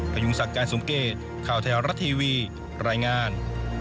พยุงศักดิ์การสมเกตข่าวแท้รัฐทีวีรายงาน